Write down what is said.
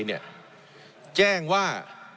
เนี่ยแจ้งว่า